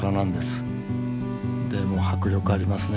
でも迫力ありますね